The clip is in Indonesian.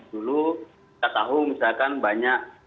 dulu kita tahu misalkan banyak